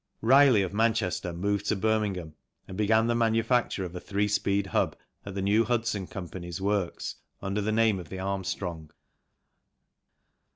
Ryley, of Manchester, moved to Birmingham and began the manufacture of a three speed hub at the New Hudson Co.'s works under the name of the Armstrong.